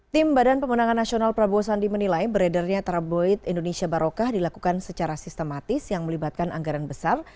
tim badan pemenangan nasional prabowo sandi menilai beredarnya tabloid indonesia barokah dilakukan secara sistematis yang melibatkan anggaran besar